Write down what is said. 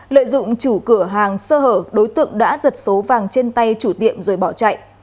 lợi dụng chủ cửa hàng sơ hở đối tượng đã giật số vàng trên tay chủ tiệm rồi bỏ chạy